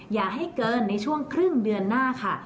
อย่าให้เกินในช่วงครึ่งเดือนหน้าค่ะ